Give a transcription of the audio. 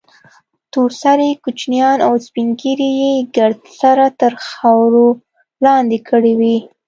تور سرې کوچنيان او سپين ږيري يې ګرد سره تر خارور لاندې کړي وو.